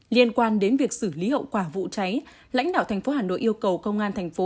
liên quan đến việc xử lý hậu quả vụ cháy lãnh đạo thành phố hà nội yêu cầu công an thành phố